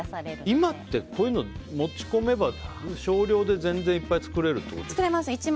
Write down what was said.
今って、こういうの持ち込めば少量で全然いっぱい作れるってこと？